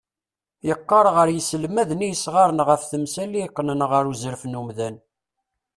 Yeɣɣar ɣer yiselmaden i yesɣran ɣef temsal i iqqnen ɣer uẓref n umdan.